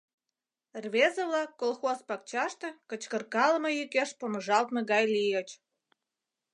Рвезе-влак колхоз пакчаште кычкыркалыме йӱкеш помыжалтме гай лийыч.